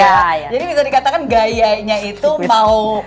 jadi bisa dikatakan gayanya itu mau